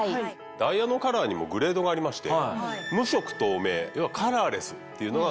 ダイヤのカラーにもグレードがありまして。